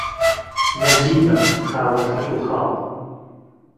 نهجیبم خاوهن خهتوخاڵ